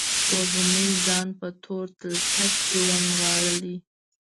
سپوږمۍ ځان په تور تلتک کې ونغاړلي